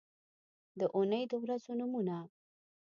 د اونۍ د ورځو نومونه